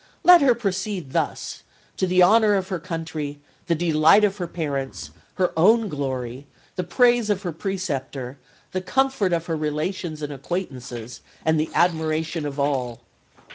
Let her proceed thus, to the honour of her country, the delight of her parents, her own glory, the praise of her preceptor, the comfort of her relations and acquaintances, and the admiration of all.